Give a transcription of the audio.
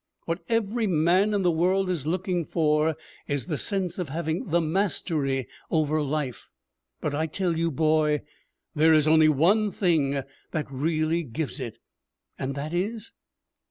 What every man in the world is looking for is the sense of having the mastery over life. But I tell you, boy, there is only one thing that really gives it!' 'And that is